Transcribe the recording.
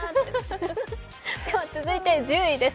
続いて１０位です。